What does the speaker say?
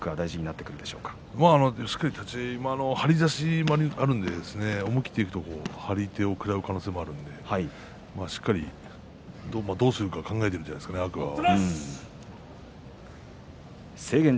どの辺りが天空海立ち合い張り差しもあるので思い切っていくと張り手を食らう可能性もあるのでしっかりどうするか考えているんじゃないですかね、天空海は。